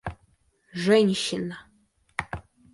женщина